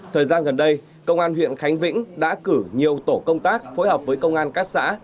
thời gian gần đây công an huyện khánh vĩnh đã cử nhiều tổ công tác phối hợp với công an các xã